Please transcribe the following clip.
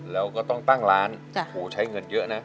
แล้วก็ต้องตั้งร้านโหใช้เงินเยอะนะ